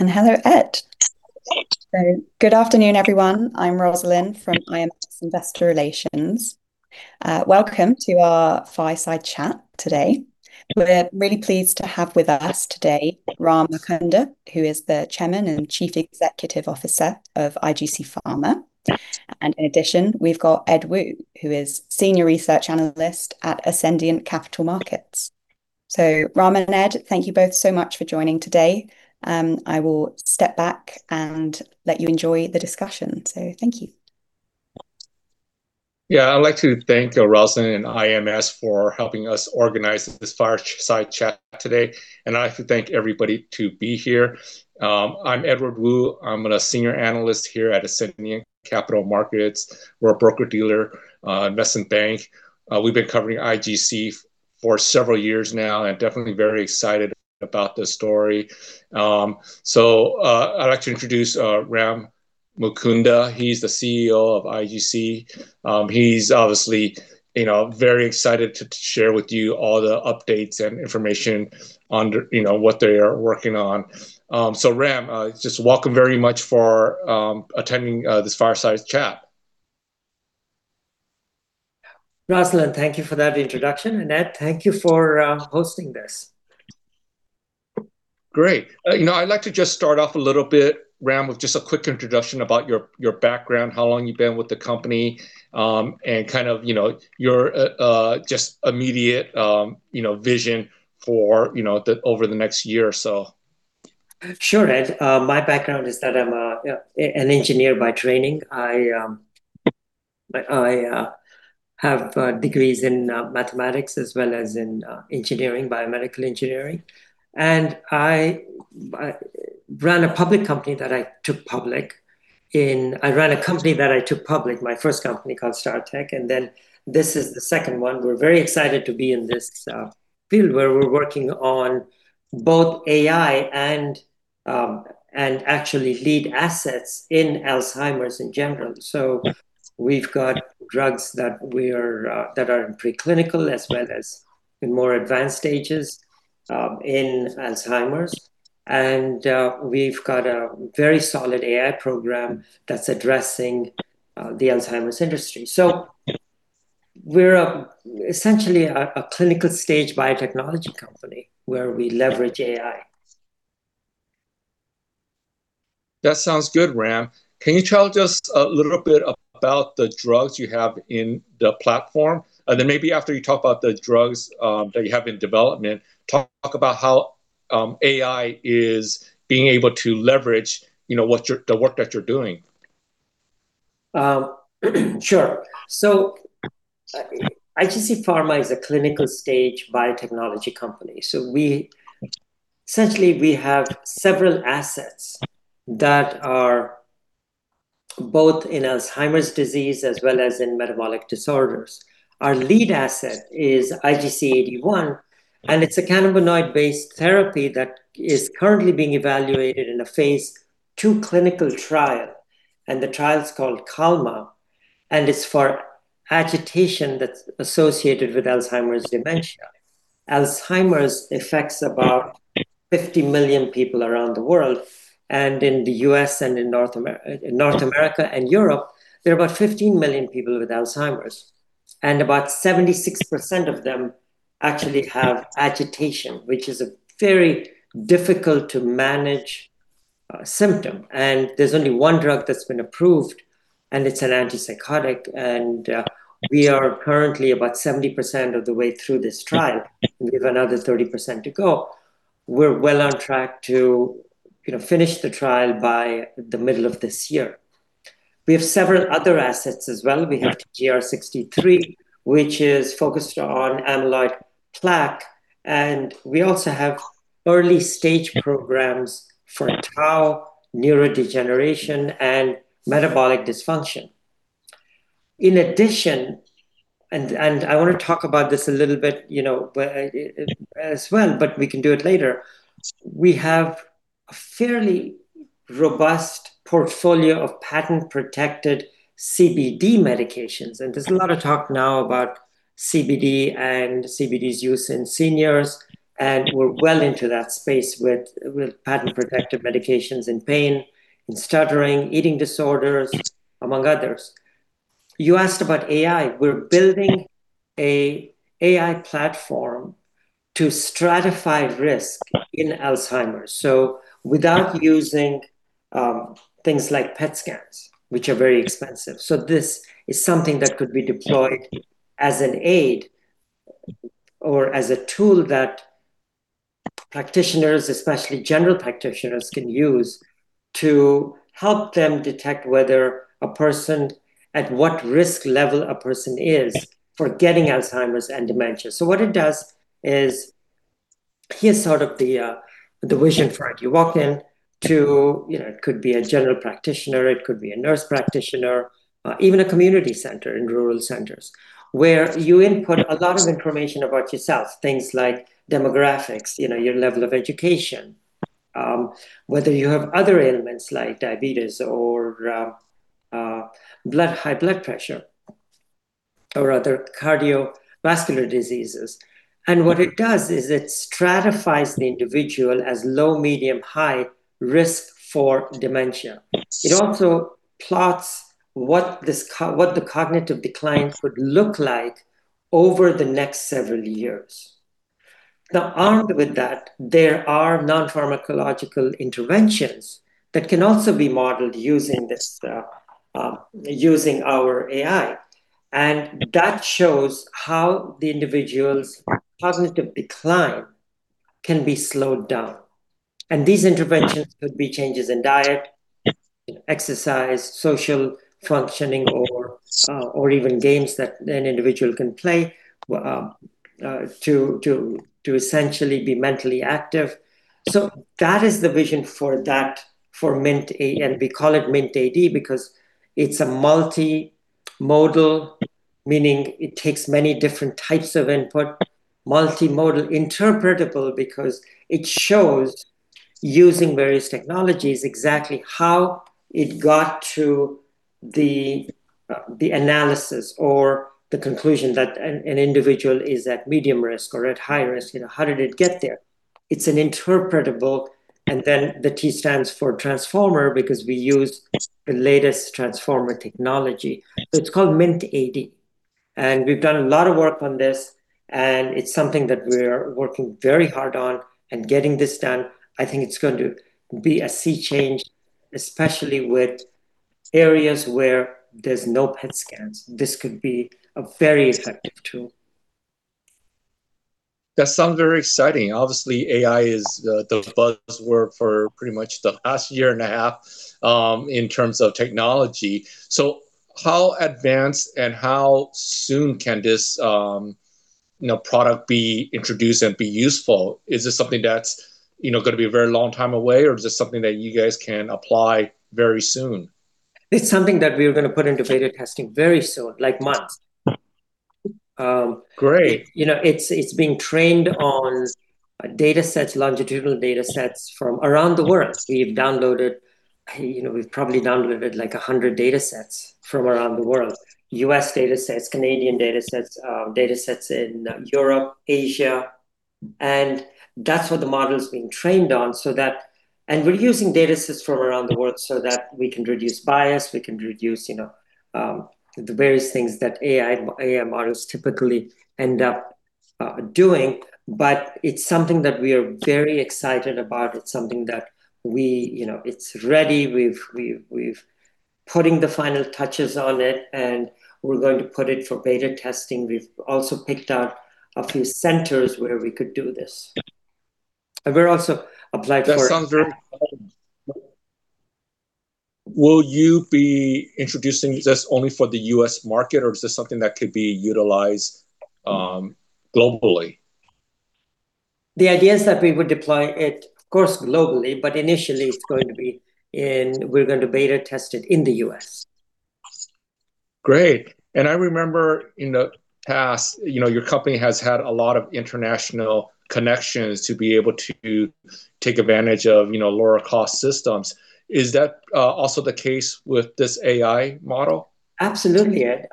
Hello, Ed. Good afternoon, everyone. I'm Rosalyn from IMS Investor Relations. Welcome to our Fireside Chat today. We're really pleased to have with us today Ram Mukunda, who is the Chairman and Chief Executive Officer of IGC Pharma. In addition, we've got Ed Woo, who is senior research analyst at Ascendiant Capital Markets. Ram and Ed, thank you both so much for joining today. I will step back and let you enjoy the discussion. Thank you. Yeah, I'd like to thank, Rosalyn and IMS for helping us organize this Fireside Chat today, and I have to thank everybody to be here. I'm Edward Woo. I'm a senior analyst here at Ascendiant Capital Markets. We're a broker-dealer, investment bank. We've been covering IGC for several years now, and definitely very excited about this story. So, I'd like to introduce, Ram Mukunda, he's the CEO of IGC. He's obviously, you know, very excited to, to share with you all the updates and information on the, you know, what they are working on. So Ram, just welcome very much for, attending, this Fireside Chat. Rosalyn, thank you for that introduction, and Ed, thank you for hosting this. Great. You know, I'd like to just start off a little bit, Ram, with just a quick introduction about your, your background, how long you've been with the company, and kind of, you know, your just immediate, you know, vision for, you know, over the next year or so. Sure, Ed. My background is that I'm an engineer by training. I have degrees in mathematics as well as in engineering, biomedical engineering, and I ran a public company that I took public in... I ran a company that I took public, my first company called Startec, and then this is the second one. We're very excited to be in this field where we're working on both AI and and actually lead assets in Alzheimer's in general. So we've got drugs that we are that are in preclinical as well as in more advanced stages in Alzheimer's, and we've got a very solid AI program that's addressing the Alzheimer's industry. So we're essentially a clinical stage biotechnology company where we leverage AI. That sounds good, Ram. Can you tell just a little bit about the drugs you have in the platform? And then maybe after you talk about the drugs that you have in development, talk about how AI is being able to leverage, you know, what you're, the work that you're doing. Sure. IGC Pharma is a clinical stage biotechnology company. We, essentially, have several assets that are both in Alzheimer's disease as well as in metabolic disorders. Our lead asset is IGC-AD1, and it's a cannabinoid-based therapy that is currently being evaluated in a phase II clinical trial. The trial is called CALMA, and it's for agitation that's associated with Alzheimer's dementia. Alzheimer's affects about 50 million people around the world, and in the U.S. and in North America and Europe, there are about 15 million people with Alzheimer's, and about 76% of them actually have agitation, which is a very difficult to manage symptom, and there's only one drug that's been approved, and it's an antipsychotic. We are currently about 70% of the way through this trial. We have another 30% to go. We're well on track to, you know, finish the trial by the middle of this year. We have several other assets as well. Yeah. We have TGR-63, which is focused on amyloid plaque, and we also have early-stage programs- Yeah... for tau neurodegeneration and metabolic dysfunction. In addition, I want to talk about this a little bit, you know, as well, but we can do it later. We have a fairly robust portfolio of patent-protected CBD medications, and there's a lot of talk now about CBD and CBD's use in seniors, and we're well into that space with patent-protected medications in pain, in stuttering, eating disorders, among others. You asked about AI. We're building an AI platform to stratify risk in Alzheimer's, without using things like PET scans, which are very expensive. This is something that could be deployed as an aid or as a tool that practitioners, especially general practitioners, can use to help them detect whether a person, at what risk level a person is for getting Alzheimer's and dementia. So what it does is, here's sort of the vision for it. You walk in to, you know, it could be a general practitioner, it could be a nurse practitioner, even a community center in rural centers, where you input a lot of information about yourself, things like demographics, you know, your level of education, whether you have other ailments like diabetes or, high blood pressure, or other cardiovascular diseases. And what it does is it stratifies the individual as low, medium, high risk for dementia. Yes. It also plots what the cognitive decline would look like over the next several years. Now, armed with that, there are non-pharmacological interventions that can also be modeled using this, using our AI, and that shows how the individual's cognitive decline can be slowed down. And these interventions- Yeah... could be changes in diet, exercise, social functioning, or even games that an individual can play, to essentially be mentally active. So that is the vision for that, for MINT-AD and we call it MINT-AD because it's a multi-modal, meaning it takes many different types of input. Multi-modal interpretable because it shows, using various technologies, exactly how it got to the analysis or the conclusion that an individual is at medium risk or at high risk. You know, how did it get there? It's an interpretable, and then the T stands for transformer because we use the latest transformer technology. Yes. So it's called MINT-AD, and we've done a lot of work on this, and it's something that we're working very hard on. Getting this done, I think it's going to be a sea change, especially with areas where there's no PET scans. This could be a very effective tool. That sounds very exciting. Obviously, AI is the buzzword for pretty much the last year and a half in terms of technology. So how advanced and how soon can this, you know, product be introduced and be useful? Is this something that's, you know, gonna be a very long time away, or is this something that you guys can apply very soon? It's something that we're gonna put into beta testing very soon, like months. Um, great. You know, it's being trained on datasets, longitudinal datasets from around the world. We've downloaded... You know, we've probably downloaded, like, 100 datasets from around the world: U.S. datasets, Canadian datasets, datasets in Europe, Asia, and that's what the model is being trained on. So that... And we're using datasets from around the world so that we can reduce bias, we can reduce, you know, the various things that AI, AI models typically end up doing. But it's something that we are very excited about. It's something that we... You know, it's ready. We've putting the final touches on it, and we're going to put it for beta testing. We've also picked out a few centers where we could do this, and we're also applied for- That sounds very exciting. Will you be introducing this only for the U.S. market, or is this something that could be utilized globally? The idea is that we would deploy it, of course, globally, but initially it's going to be in... We're going to beta test it in the U.S. Great. And I remember in the past, you know, your company has had a lot of international connections to be able to take advantage of, you know, lower-cost systems. Is that also the case with this AI model? Absolutely, Ed.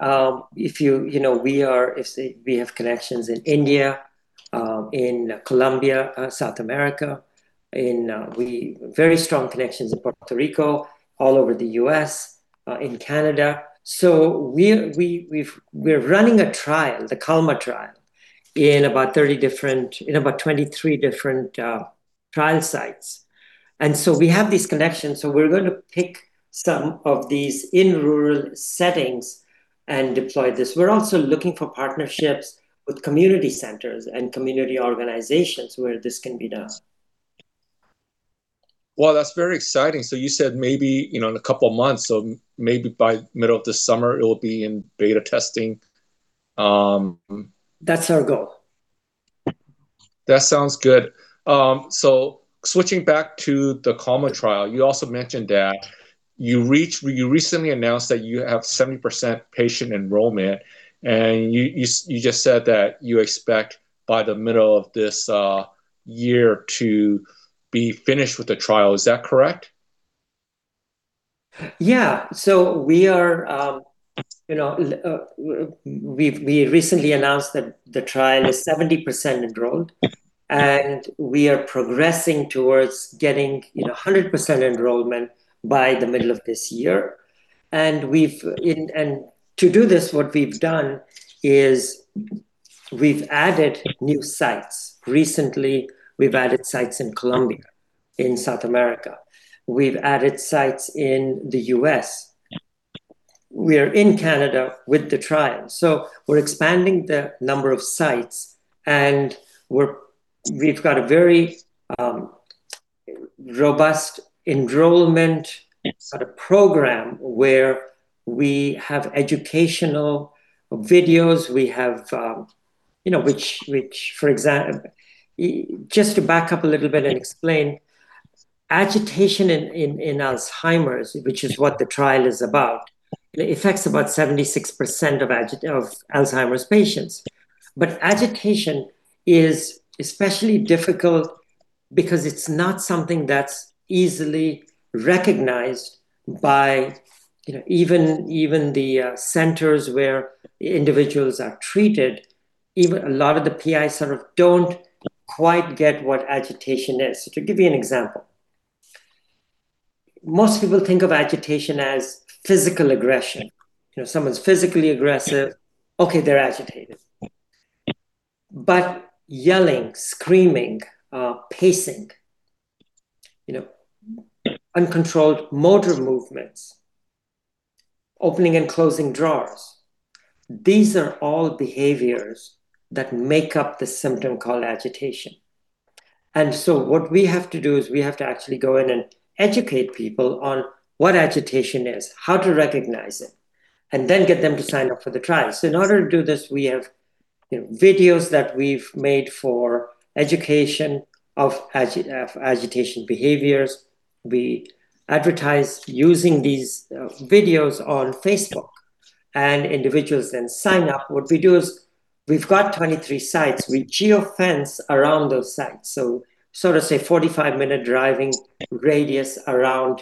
You know, we have connections in India, in Colombia, South America, very strong connections in Puerto Rico, all over the U.S., in Canada. So we're running a trial, the CALMA Trial, in about 23 different trial sites. So we have these connections, so we're going to pick some of these in rural settings and deploy this. We're also looking for partnerships with community centers and community organizations where this can be done. Well, that's very exciting. So you said maybe, you know, in a couple of months, so maybe by middle of this summer it will be in beta testing. That's our goal. That sounds good. So switching back to the CALMA Trial, you also mentioned that you recently announced that you have 70% patient enrollment, and you just said that you expect by the middle of this year to be finished with the trial. Is that correct? Yeah. So we are, you know, we recently announced that the trial is 70% enrolled, and we are progressing towards getting, you know, 100% enrollment by the middle of this year. To do this, what we've done is we've added new sites. Recently, we've added sites in Colombia, in South America. We've added sites in the U.S. Yeah. We're in Canada with the trial. So we're expanding the number of sites, and we've got a very robust enrollment- Yes... sort of program where we have educational videos, we have, you know, just to back up a little bit and explain, agitation in Alzheimer's, which is what the trial is about, it affects about 76% of Alzheimer's patients. But agitation is especially difficult because it's not something that's easily recognized by, you know, even the centers where individuals are treated, even a lot of the PIs sort of don't quite get what agitation is. To give you an example, most people think of agitation as physical aggression. You know, someone's physically aggressive, okay, they're agitated. But yelling, screaming, pacing, you know, uncontrolled motor movements, opening and closing drawers, these are all behaviors that make up the symptom called agitation. And so what we have to do is we have to actually go in and educate people on what agitation is, how to recognize it, and then get them to sign up for the trial. So in order to do this, we have, you know, videos that we've made for education of agitation behaviors. We advertise using these videos on Facebook, and individuals then sign up. What we do is, we've got 23 sites. We geofence around those sites, so sort of say, 45-minute driving radius around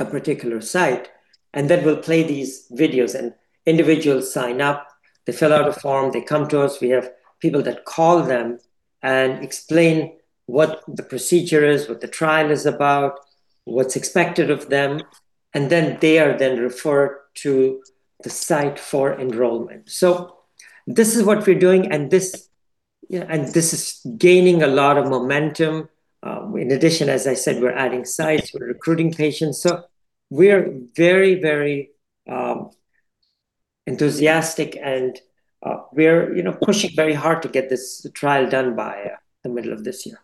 a particular site, and then we'll play these videos. And individuals sign up, they fill out a form, they come to us. We have people that call them and explain what the procedure is, what the trial is about, what's expected of them, and then they are then referred to the site for enrollment. So this is what we're doing, and this is gaining a lot of momentum. In addition, as I said, we're adding sites, we're recruiting patients, so we're very, very enthusiastic, and we're, you know, pushing very hard to get this trial done by the middle of this year.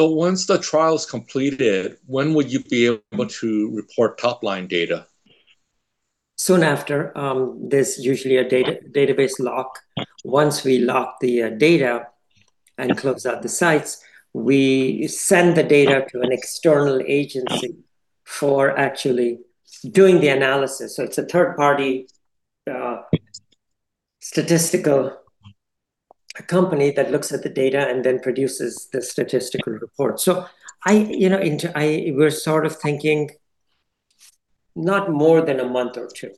Once the trial is completed, when will you be able to report top-line data? Soon after, there's usually a database lock. Once we lock the data and close out the sites, we send the data to an external agency for actually doing the analysis. So it's a third-party statistical company that looks at the data and then produces the statistical report. So I, you know, we're sort of thinking not more than a month or two.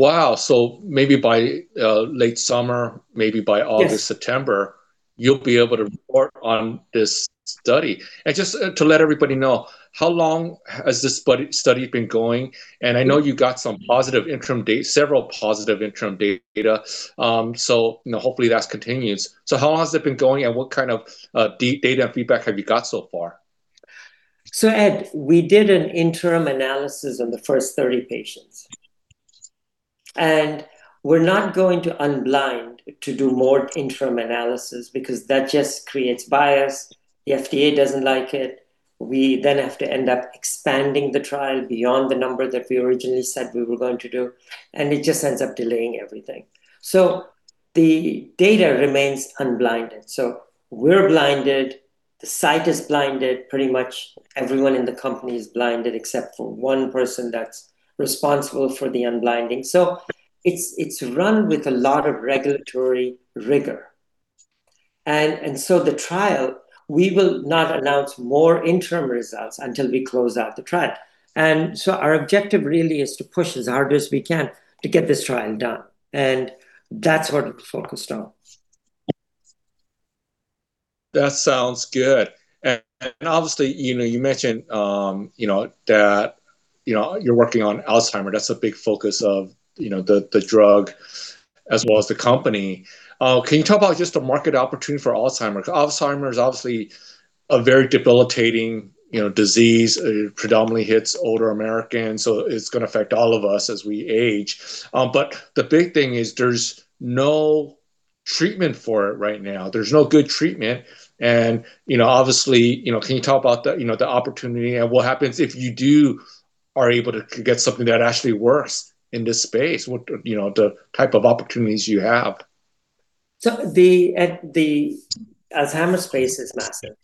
Wow! So maybe by late summer, maybe by- Yes... August, September, you'll be able to report on this study. And just to let everybody know, how long has this study been going? And I know you got some positive interim data - several positive interim data. So, you know, hopefully that continues. So how long has it been going, and what kind of data and feedback have you got so far? Ed, we did an interim analysis on the first 30 patients, and we're not going to unblind to do more interim analysis because that just creates bias. The FDA doesn't like it. We then have to end up expanding the trial beyond the number that we originally said we were going to do, and it just ends up delaying everything. The data remains unblinded. We're blinded, the site is blinded, pretty much everyone in the company is blinded except for one person that's responsible for the unblinding. It's run with a lot of regulatory rigor. The trial, we will not announce more interim results until we close out the trial. Our objective really is to push as hard as we can to get this trial done, and that's what we're focused on. That sounds good. And obviously, you know, you mentioned, you know, that, you know, you're working on Alzheimer's. That's a big focus of, you know, the drug as well as the company. Can you talk about just the market opportunity for Alzheimer's? Alzheimer's obviously a very debilitating, you know, disease. It predominantly hits older Americans, so it's gonna affect all of us as we age. But the big thing is there's no treatment for it right now. There's no good treatment and, you know, obviously, you know, can you talk about the, you know, the opportunity and what happens if you do... are able to get something that actually works in this space, what, you know, the type of opportunities you have? So the Alzheimer's space is massive.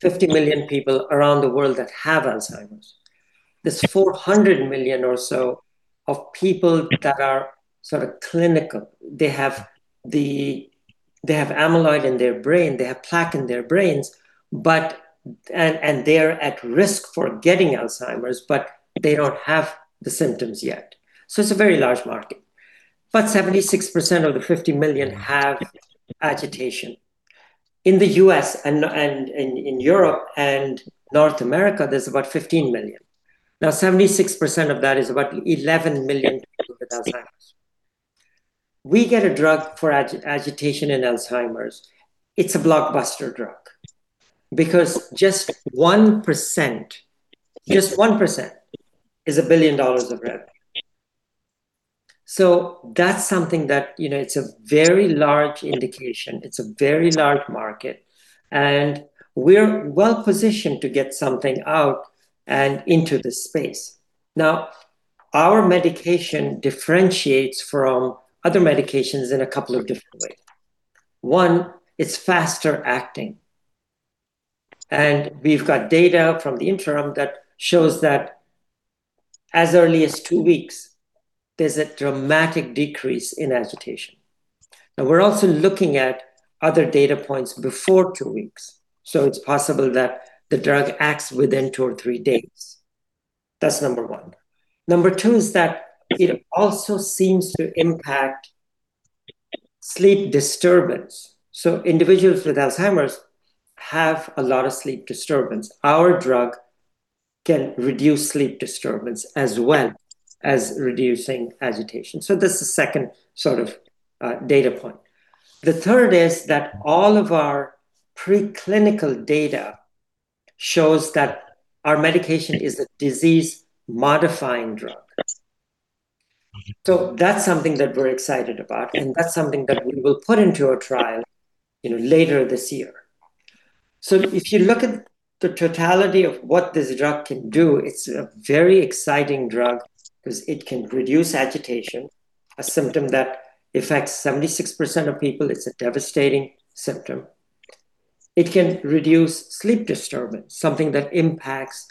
50 million people around the world that have Alzheimer's. There's 400 million or so people that are sort of clinical. They have amyloid in their brain, they have plaque in their brains, but and they're at risk for getting Alzheimer's, but they don't have the symptoms yet. So it's a very large market. About 76% of the 50 million have agitation. In the US and in Europe and North America, there's about 15 million. Now, 76% of that is about 11 million people with Alzheimer's. We get a drug for agitation in Alzheimer's, it's a blockbuster drug because just 1%, just 1%, is $1 billion of revenue. So that's something that, you know, it's a very large indication, it's a very large market, and we're well-positioned to get something out and into this space. Now, our medication differentiates from other medications in a couple of different ways. One, it's faster acting... and we've got data from the interim that shows that as early as 2 weeks, there's a dramatic decrease in agitation. Now, we're also looking at other data points before 2 weeks, so it's possible that the drug acts within 2 or 3 days. That's number one. Number two is that it also seems to impact sleep disturbance. So individuals with Alzheimer's have a lot of sleep disturbance. Our drug can reduce sleep disturbance, as well as reducing agitation. So that's the second sort of data point. The third is that all of our preclinical data shows that our medication is a disease-modifying drug. So that's something that we're excited about, and that's something that we will put into a trial, you know, later this year. So if you look at the totality of what this drug can do, it's a very exciting drug, 'cause it can reduce agitation, a symptom that affects 76% of people. It's a devastating symptom. It can reduce sleep disturbance, something that impacts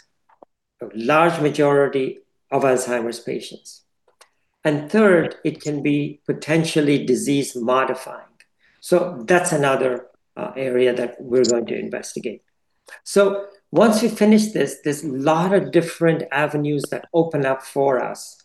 a large majority of Alzheimer's patients. And third, it can be potentially disease modifying. So that's another area that we're going to investigate. So once we finish this, there's a lot of different avenues that open up for us.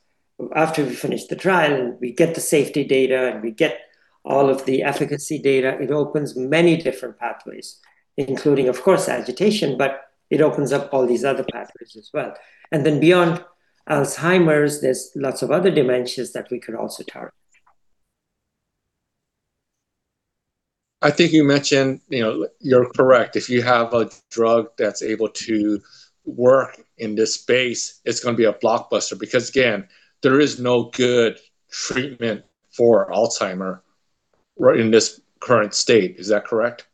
After we finish the trial and we get the safety data, and we get all of the efficacy data, it opens many different pathways, including, of course, agitation, but it opens up all these other pathways as well. Then beyond Alzheimer's, there's lots of other dementias that we could also target. I think you mentioned... You know, you're correct. If you have a drug that's able to work in this space, it's gonna be a blockbuster because, again, there is no good treatment for Alzheimer's right in this current state. Is that correct?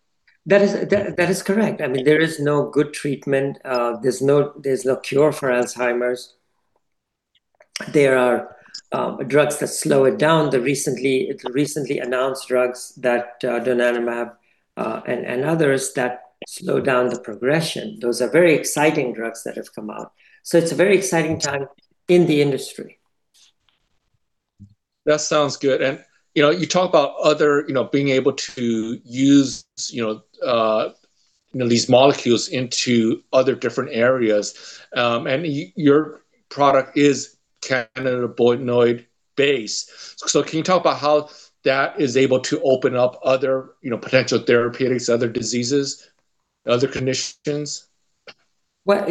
That is correct. I mean, there is no good treatment. There's no cure for Alzheimer's. There are drugs that slow it down. The recently announced drugs, donanemab and others, that slow down the progression, those are very exciting drugs that have come out. So it's a very exciting time in the industry. That sounds good. And, you know, you talk about other, you know, being able to use, you know, these molecules into other different areas. And your product is cannabinoid-based. So can you talk about how that is able to open up other, you know, potential therapeutics, other diseases, other conditions? Well,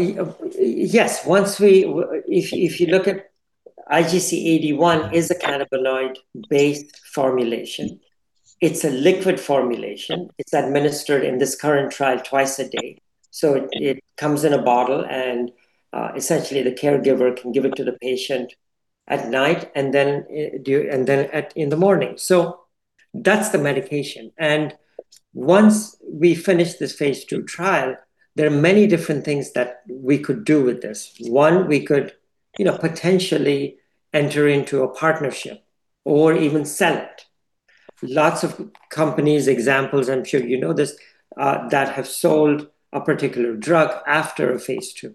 yes. Once we, if you look at IGC-AD1 is a cannabinoid-based formulation. It's a liquid formulation. It's administered in this current trial twice a day. So it comes in a bottle, and essentially, the caregiver can give it to the patient at night and then in the morning. So that's the medication. And once we finish this phase II trial, there are many different things that we could do with this. One, we could, you know, potentially enter into a partnership or even sell it. Lots of companies, examples, I'm sure you know this, that have sold a particular drug after a phase II.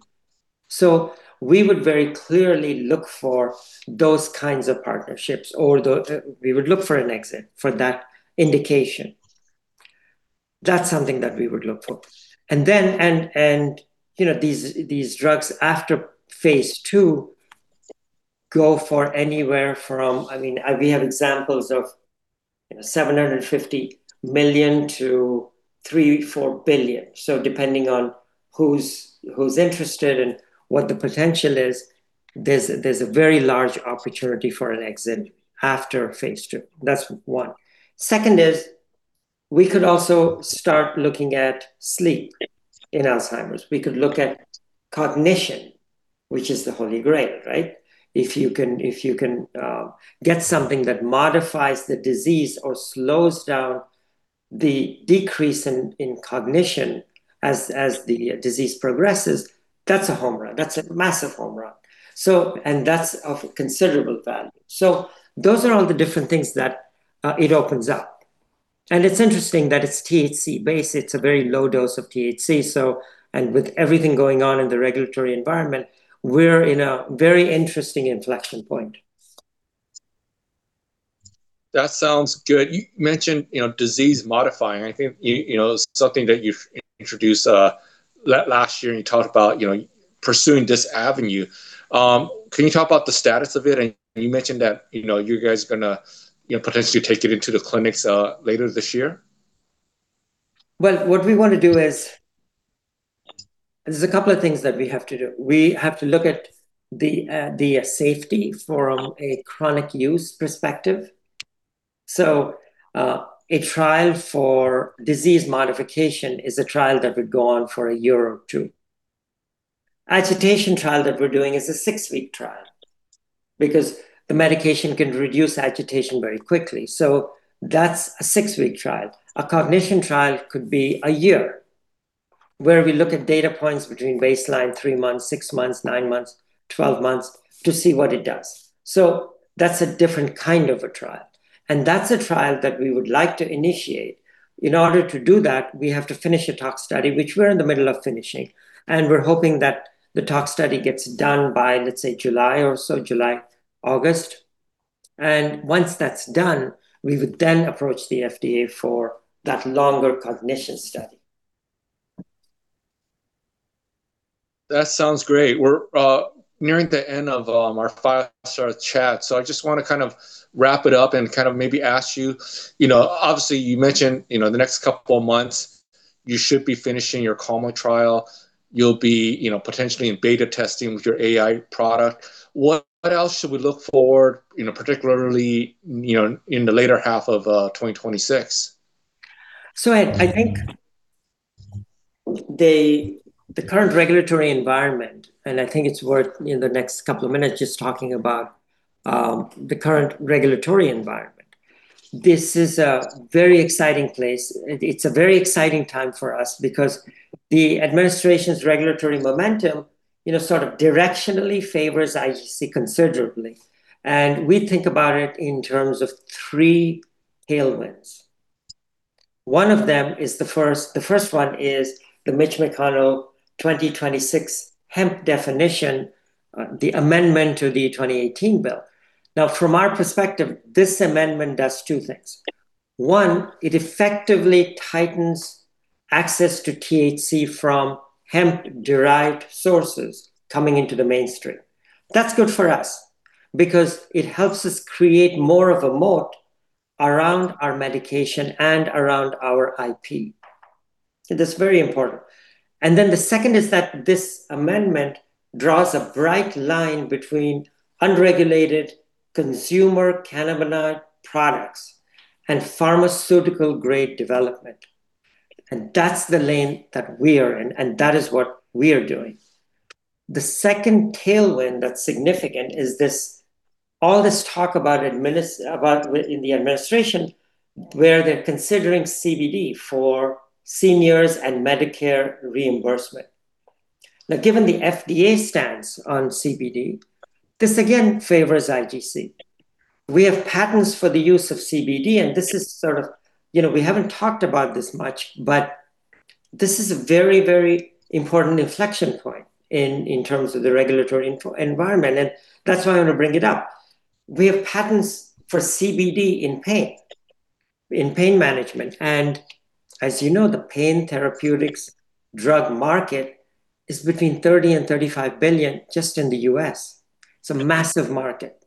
So we would very clearly look for those kinds of partnerships or we would look for an exit for that indication. That's something that we would look for. And then, you know, these drugs after phase II go for anywhere from... I mean, we have examples of, you know, $750 million-$3-4 billion. So depending on who's interested and what the potential is, there's a very large opportunity for an exit after phase II. That's one. Second is, we could also start looking at sleep in Alzheimer's. We could look at cognition, which is the holy grail, right? If you can get something that modifies the disease or slows down the decrease in cognition as the disease progresses, that's a home run. That's a massive home run. So, and that's of considerable value. So those are all the different things that it opens up. And it's interesting that it's THC-based. It's a very low dose of THC, so... With everything going on in the regulatory environment, we're in a very interesting inflection point. That sounds good. You mentioned, you know, disease modifying. I think, you know, something that you've introduced, last year, and you talked about, you know, pursuing this avenue. Can you talk about the status of it? And you mentioned that, you know, you guys are gonna, you know, potentially take it into the clinics, later this year. Well, what we want to do is... There's a couple of things that we have to do. We have to look at the, the safety from a chronic use perspective. So, a trial for disease modification is a trial that would go on for a year or two. Agitation trial that we're doing is a six-week trial because the medication can reduce agitation very quickly, so that's a six-week trial. A cognition trial could be a year... where we look at data points between baseline, three months, six months, nine months, 12 months to see what it does. So that's a different kind of a trial, and that's a trial that we would like to initiate. In order to do that, we have to finish a tox study, which we're in the middle of finishing, and we're hoping that the tox study gets done by, let's say, July or so, July, August. Once that's done, we would then approach the FDA for that longer cognition study. That sounds great. We're nearing the end of our fireside chat, so I just want to kind of wrap it up and kind of maybe ask you, you know, obviously, you mentioned, you know, the next couple of months you should be finishing your CALMA trial. You'll be, you know, potentially in beta testing with your AI product. What else should we look for, you know, particularly, you know, in the later half of 2026? So I think the current regulatory environment, and I think it's worth in the next couple of minutes just talking about the current regulatory environment. This is a very exciting place. It's a very exciting time for us because the administration's regulatory momentum, you know, sort of directionally favors IGC considerably, and we think about it in terms of three tailwinds. One of them is the first—the first one is the Mitch McConnell 2026 hemp definition, the amendment to the 2018 bill. Now, from our perspective, this amendment does two things. One, it effectively tightens access to THC from hemp-derived sources coming into the mainstream. That's good for us because it helps us create more of a moat around our medication and around our IP. That's very important. And then the second is that this amendment draws a bright line between unregulated consumer cannabinoid products and pharmaceutical-grade development, and that's the lane that we are in, and that is what we are doing. The second tailwind that's significant is this, all this talk about the administration, where they're considering CBD for seniors and Medicare reimbursement. Now, given the FDA stance on CBD, this again favors IGC. We have patents for the use of CBD, and this is sort of, you know, we haven't talked about this much, but this is a very, very important inflection point in terms of the regulatory environment, and that's why I'm going to bring it up. We have patents for CBD in pain, in pain management, and as you know, the pain therapeutics drug market is between $30 billion and $35 billion just in the U.S. It's a massive market.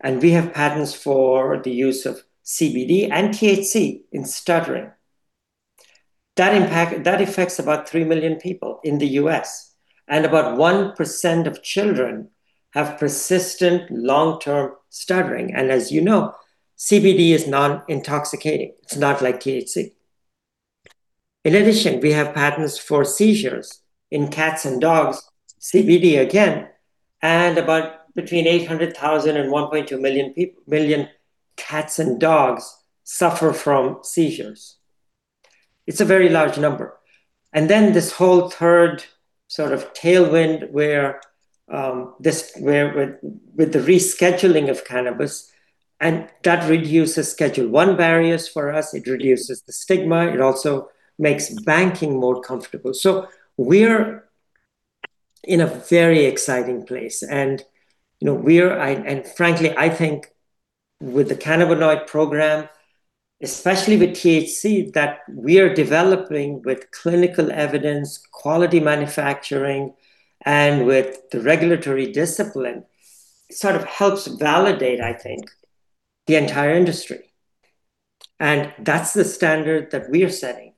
And we have patents for the use of CBD and THC in stuttering. That impact, that affects about 3 million people in the U.S., and about 1% of children have persistent long-term stuttering. And as you know, CBD is non-intoxicating. It's not like THC. In addition, we have patents for seizures in cats and dogs, CBD again, and about between 800,000 and 1.2 million cats and dogs suffer from seizures. It's a very large number. And then this whole third sort of tailwind where with the rescheduling of cannabis, and that reduces Schedule I barriers for us. It reduces the stigma. It also makes banking more comfortable. So we're in a very exciting place, and, you know, we're... I, and frankly, I think with the cannabinoid program, especially with THC, that we are developing with clinical evidence, quality manufacturing, and with the regulatory discipline, sort of helps validate, I think, the entire industry. And that's the standard that we are setting,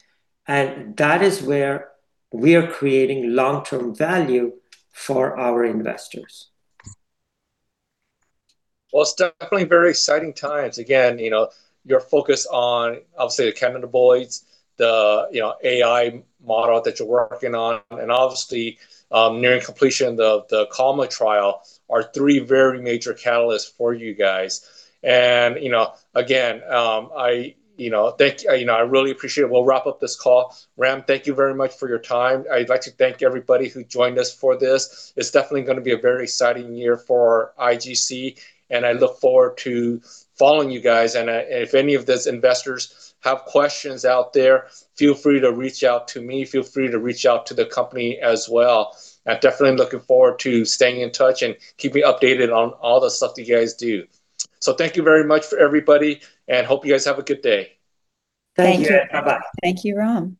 and that is where we are creating long-term value for our investors. Well, it's definitely very exciting times. Again, you know, your focus on, obviously, the cannabinoids, the, you know, AI model that you're working on, and obviously, nearing completion of the CALMA trial are three very major catalysts for you guys. And, you know, again, I, you know, thank you. You know, I really appreciate it. We'll wrap up this call. Ram, thank you very much for your time. I'd like to thank everybody who joined us for this. It's definitely gonna be a very exciting year for IGC, and I look forward to following you guys. And, if any of these investors have questions out there, feel free to reach out to me. Feel free to reach out to the company as well. I'm definitely looking forward to staying in touch and keeping updated on all the stuff you guys do. So, thank you very much for everybody, and hope you guys have a good day. Thank you. Thank you. Bye-bye. Thank you, Ram. Bye.